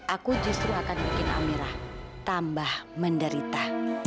aku justru akan bikin amerah tambah menderita